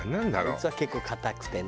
あいつは結構硬くてね。